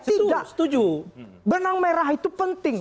tidak setuju benang merah itu penting